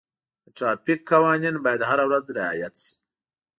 د ټرافیک قوانین باید هره ورځ رعایت شي.